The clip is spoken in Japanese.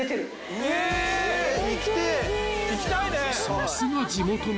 ［さすが地元民］